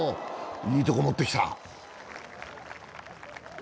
いいとこ持ってきた。